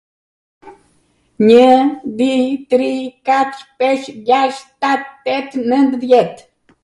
Njw, di, tri, katr, pes, gjasht, shtat, tet, nwnd, dhjet.